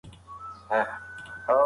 که سهار شي نو دی به کار ته لاړ شي.